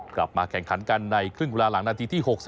กลับมาแข่งขันกันในครึ่งเวลาหลังนาทีที่๖๐